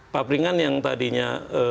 pabrikan yang tadinya